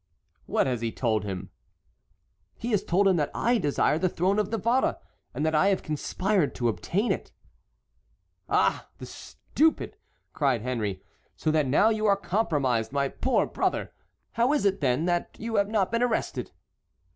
"What has he told him?" "He has told him that I desire the throne of Navarre, and that I have conspired to obtain it." "Ah, the stupid!" cried Henry, "so that now you are compromised, my poor brother! How is it, then, that you have not been arrested?"